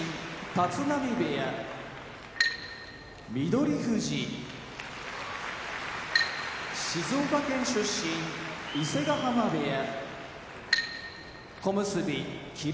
立浪部屋翠富士静岡県出身伊勢ヶ濱部屋小結・霧